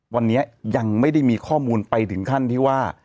วันนี้ยังไม่ได้มีข้อมูลไปถึงขั้นที่ว่า